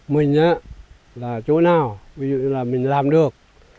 mình là chỗ nào ví dụ là mình làm được